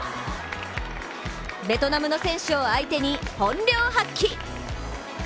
ベトナムの選手を相手に本領発揮。